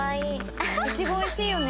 イチゴ美味しいよね。